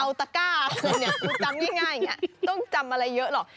เอาตาก้าคุณเนี่ยกูจำง่ายต้องจำอะไรเยอะหรอก